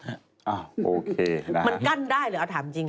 อ่าโอเคนะฮะมันกั้นได้เหรอถามจริง